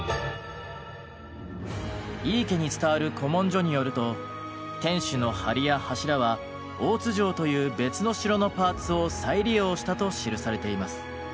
井伊家に伝わる古文書によると天守の梁や柱は大津城という別の城のパーツを再利用したと記されています。